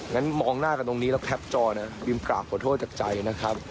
งั้นมองหน้ากันตรงนี้แล้วแคปจอนะวิมกราบขอโทษจากใจนะครับ